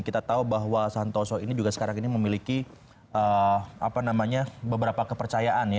kita tahu bahwa santoso ini juga sekarang ini memiliki beberapa kepercayaan